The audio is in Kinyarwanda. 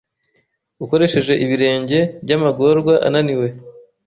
Ukoresheje ibirenge byamagorwa ananiwe